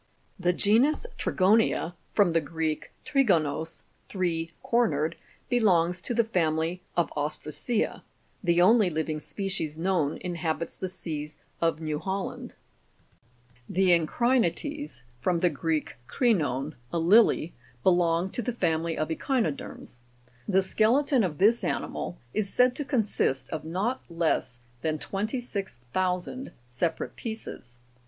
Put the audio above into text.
The genus Trigonia,(Jig.65 from the Greek, trigonos, three cornered), belongs to the family of ostracea ; the only living species known inhabits the seas of New Holland. Fig. 66. Encri'nites monilifor'mis. The Encri'iiites, (Jig. 66 from the Greek, kiinon, a lily), belong to the family of Echi'noderms. The skeleton of this animal is said to consist of not less than 26,000 separate pieces.